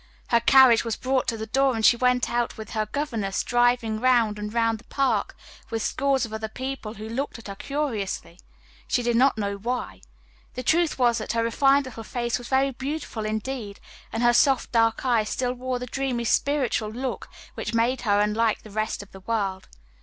Her carriage was brought to the door and she went out with her governess, driving round and round the park with scores of other people who looked at her curiously, she did not know why. The truth was that her refined little face was very beautiful indeed, and her soft dark eyes still wore the dreamy spiritual look which made her unlike the rest of the world.